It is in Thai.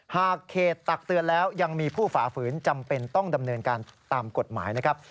หากเขตตักเตือนแล้วยังมีผู้ฝ่าฝืนจำเป็นต้องดำเนินการตามกฎหมายนะครับ